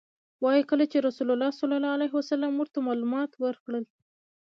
وایي کله چې رسول الله صلی الله علیه وسلم ورته معلومات ورکړل.